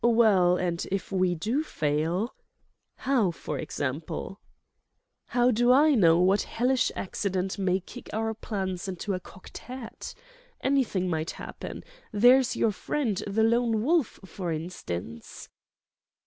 "Well, and if we do fail—?" "How, for example?" "How do I know what hellish accident may kick our plans into a cocked hat? Anything might happen. There's your friend, the Lone Wolf, for instance